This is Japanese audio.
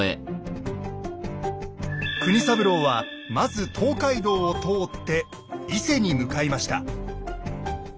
国三郎はまず東海道を通って伊勢に向かいました。